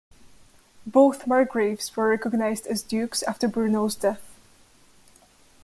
Both margraves were recognised as dukes after Bruno's death.